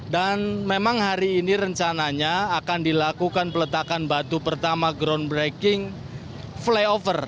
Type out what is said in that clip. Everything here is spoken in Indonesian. dan memang hari ini rencananya akan dilakukan peletakan batu pertama groundbreaking flyover